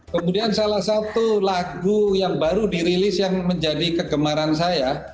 kemudian salah satu lagu yang baru dirilis yang menjadi kegemaran saya